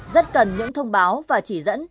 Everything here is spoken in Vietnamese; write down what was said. rất cần những thông báo và chỉ dẫn